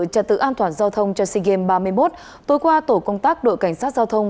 trật tự an toàn giao thông cho sea games ba mươi một tối qua tổ công tác đội cảnh sát giao thông